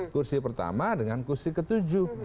kursi pertama dengan kursi ketujuh